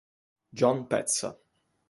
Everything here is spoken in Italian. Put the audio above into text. John Pezza